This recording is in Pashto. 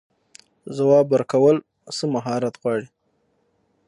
ځواب ورکول څه مهارت غواړي؟